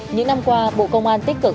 những năm qua bộ công an tích cực